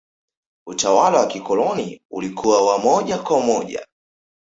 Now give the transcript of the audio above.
utawala wa kikoloni ulikuwa wa moja kwa moja